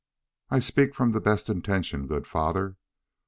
"I speak from the best intention, good father.